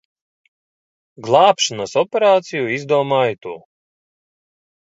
Glābšanas operāciju izdomāji tu.